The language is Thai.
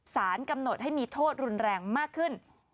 สารกำหนดให้มีโทษรุนแรงมากขึ้น